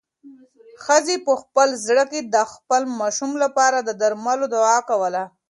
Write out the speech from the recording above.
ښځې په خپل زړه کې د خپل ماشوم لپاره د درملو دعا کوله.